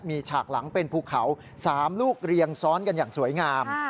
มีฉากหลังเป็นภูเขา๓ลูกเรียงซ้อนกันอย่างสวยงาม